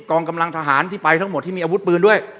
กองกำลังทหารที่ไปทั้งหมดที่มีอาวุธปืนด้วย